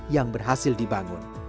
yang berhasil dibangun